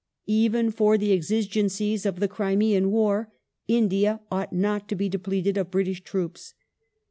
Even for the exigencies of the Crimean War India ought not to be depleted of British troops.